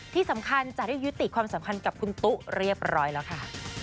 ที่สำคัญจะได้ยุติความสัมพันธ์กับคุณตุ๊เรียบร้อยแล้วค่ะ